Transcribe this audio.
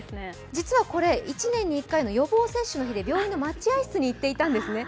実はこれ、１年に１回の予防接種の日で、病院の待合室に行っていたんですね。